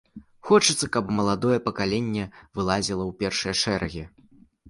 Хочацца, каб маладое пакаленне вылазіла ў першыя шэрагі.